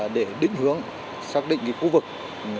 để đích hướng các cái thiết bị chuyên dụng các phương tiện để đích hướng